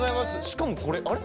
しかもこれあれ？